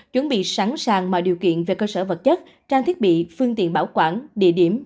chuẩn bị sẵn sàng mọi điều kiện về cơ sở vật chất trang thiết bị phương tiện bảo quản địa điểm